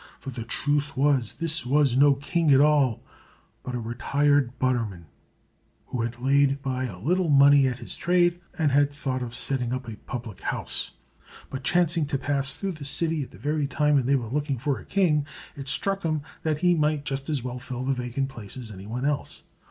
For the truth was, this was no king at all, but a retired butterman, who had laid by a little money at his trade, and had thought of setting up a public house; but chancing to pass through this city at the very time when they were looking for a king, it struck him that he might just as well fill the vacant place as any one else.